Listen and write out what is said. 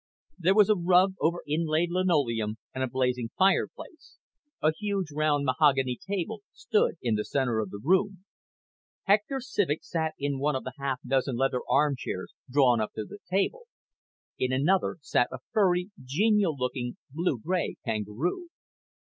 There was a rug over inlaid linoleum and a blazing fireplace. A huge round mahogany table stood in the center of the room. Hector Civek sat in one of the half dozen leather armchairs drawn up to the table. In another sat a furry, genial looking blue gray kangaroo.